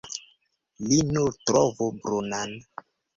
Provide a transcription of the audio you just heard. Li nur trovu brunan.